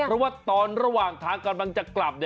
เพราะว่าตอนระหว่างทางกำลังจะกลับ